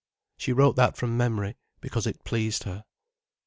She wrote that from memory, because it pleased her.